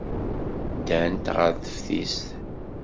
Ddant ɣer teftist.